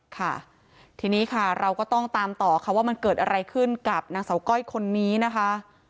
ค่ะทีนี้ค่ะเราก็ต้องตามต่อค่ะว่ามันเกิดอะไรขึ้นกับนางเสาก้อยคนนี้นะคะ